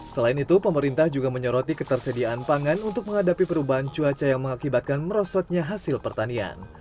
selain itu pemerintah juga menyoroti ketersediaan pangan untuk menghadapi perubahan cuaca yang mengakibatkan merosotnya hasil pertanian